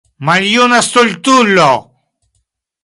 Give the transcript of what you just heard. Maljuna stultulo!